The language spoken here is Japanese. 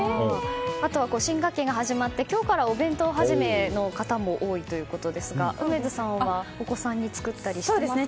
あとは、新学期が始まって今日からお弁当始めの方も多いということですが梅津さんは、お子さんに作ったりしていますか？